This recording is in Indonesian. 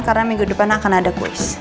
karena minggu depan akan ada kuis